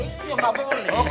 iya nggak boleh